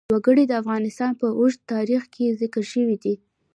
وګړي د افغانستان په اوږده تاریخ کې ذکر شوی دی.